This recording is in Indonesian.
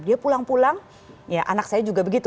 dia pulang pulang ya anak saya juga begitu